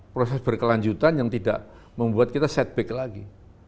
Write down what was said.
proses berkelanjutan yang tidak membuat kita setback lagi